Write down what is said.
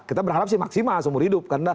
kita berharap sih maksimal seumur hidup